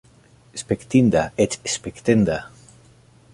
Spektinda, eĉ spektenda!